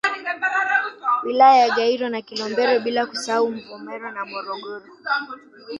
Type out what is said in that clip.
Wilaya ya Gairo na Kilombero bila kusahau Mvomero na Morogoro